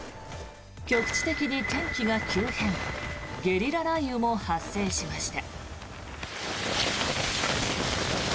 局地的に天気が急変ゲリラ雷雨も発生しました。